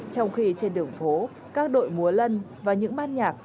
trong khi trên đường phố các đội múa lân và những ban nhạc